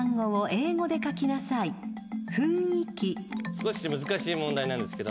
少し難しい問題なんですけども。